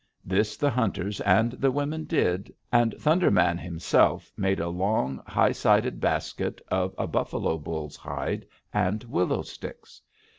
"This the hunters and the women did, and Thunder Man himself made a long, high sided basket of a buffalo bull's hide and willow sticks.